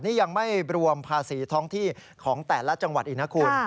นี่ยังไม่รวมภาษีท้องที่ของแต่ละจังหวัดอีกนะคุณ